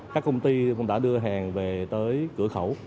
các công ty cũng đã đưa hàng về tới cửa khẩu